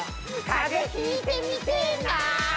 風邪ひいてみてぇな。